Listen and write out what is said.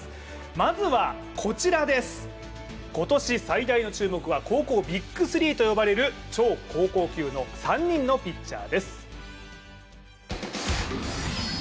まずは、今年最大の注目は高校ＢＩＧ３と呼ばれる超高校級の３人のピッチャーです。